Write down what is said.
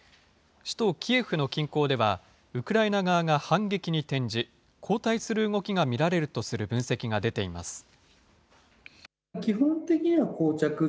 首都キエフの近郊では、ウクライナ側が反撃に転じ、後退する動きが見られるとする分析が出ています。